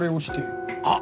あっ！